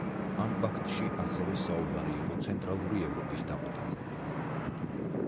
ამ პაქტში ასევე საუბარი იყო ცენტრალური ევროპის დაყოფაზე.